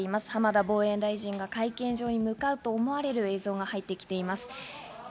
浜田防衛大臣が会見場に向かうと思われる映像が入ってきています。